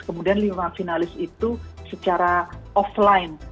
kemudian lima finalis itu secara offline